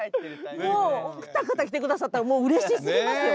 もうお二方来てくださったらもううれしすぎますよね。